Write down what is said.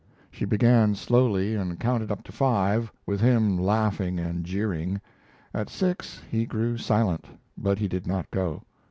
She began slowly and counted up to five, with him laughing and jeering. At six he grew silent, but he did not go.